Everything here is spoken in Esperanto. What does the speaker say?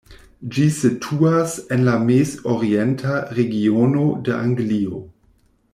Ĝi situas en la Mez-Orienta Regiono de Anglio.